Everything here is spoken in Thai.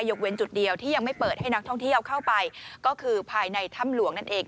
กเว้นจุดเดียวที่ยังไม่เปิดให้นักท่องเที่ยวเข้าไปก็คือภายในถ้ำหลวงนั่นเอง